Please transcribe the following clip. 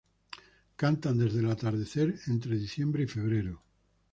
Cantan desde el atardecer, entre diciembre y febrero.